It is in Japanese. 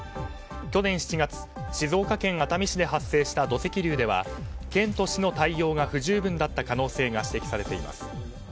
去年７月静岡県熱海市で発生した土石流では県と市の対応が不十分だった可能性が指摘されています。